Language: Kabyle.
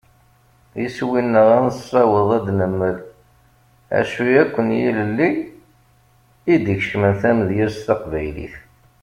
Iswi-nneɣ ad nessaweḍ ad d-nemmel acu akk n yilelli i d-ikecmen tamedyazt taqbaylit.